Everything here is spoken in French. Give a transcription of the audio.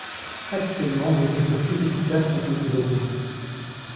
Actuellement des méthodes plus efficace ont été mises au point.